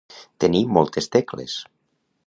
Tenir moltes tecles.